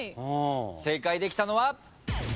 正解できたのは？